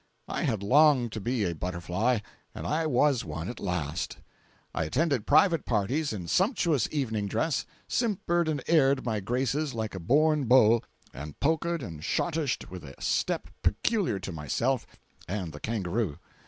I had longed to be a butterfly, and I was one at last. I attended private parties in sumptuous evening dress, simpered and aired my graces like a born beau, and polked and schottisched with a step peculiar to myself—and the kangaroo.